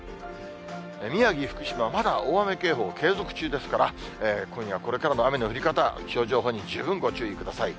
宮城、福島は、まだ大雨警報、継続中ですから、今夜これからの雨の降り方、気象情報に十分ご注意ください。